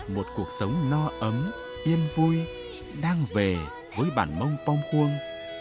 một cuộc sống no ấm yên vui đang về với bản mông pom khuông